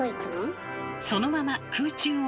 そのまま空中を綱渡り。